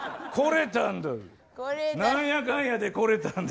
来れたんだ。